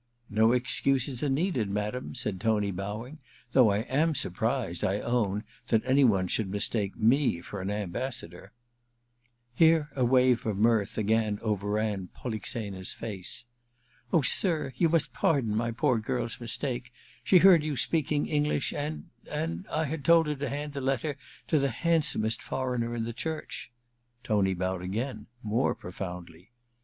* No excuses are needed, madam,' said Tony, bowing ;^ though I am surprised, I own, that any one should mistake me for an ambassador.' Here a wave of mirth agdn overran Polixena's 11 ENTERTAINMENT 329 fiice. * Oh, sir, you must pardon my poor girl's mistake. She heard you speaking English, and — and — I had told her to hand the letter to the handsomest foreigner in the church/ Tony bowed again, more profoundly.